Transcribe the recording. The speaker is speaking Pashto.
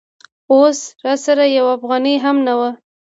اوس راسره یوه افغانۍ هم نه وه.